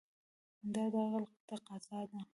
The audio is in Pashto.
دا د عقل تقاضا ده.